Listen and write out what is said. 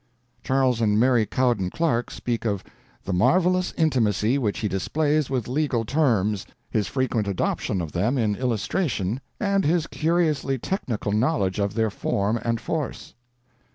Charles and Mary Cowden Clarke speak of "the marvelous intimacy which he displays with legal terms, his frequent adoption of them in illustration, and his curiously technical knowledge of their form and force."